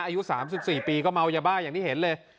อายุ๓๔ปีก็เมายาบ้าอย่างที่เห็นเลย